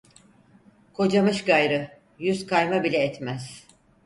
Kocamış gayrı, yüz kayme bile etmez!